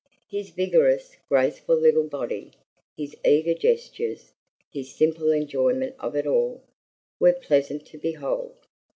His vigorous, graceful little body, his eager gestures, his simple enjoyment of it all, were pleasant to behold.